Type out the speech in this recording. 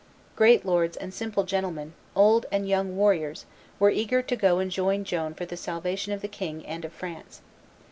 Great lords and simple gentlemen, old and young warriors, were eager to go and join Joan for the salvation of the king and of France.